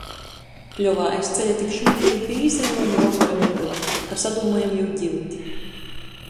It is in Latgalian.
Pļovā aiz ceļa tik šmuka i bīza Juoņu vokora mygla, ka sadūmojam jū giut.